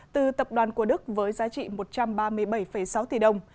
từ tập đoàn của đức với giá trị một trăm ba mươi bảy sáu tỷ đồng